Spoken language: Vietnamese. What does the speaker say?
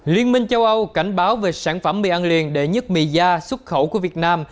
liên minh châu âu cảnh báo về sản phẩm mì ăn liền đệ nhất mì gia xuất khẩu của việt nam